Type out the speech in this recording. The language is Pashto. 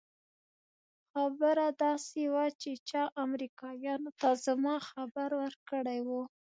خبره داسې وه چې چا امريکايانو ته زما خبر ورکړى و.